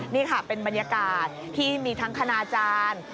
นี่ค่ะเป็นบรรยากาศที่มีทั้งคณาจารย์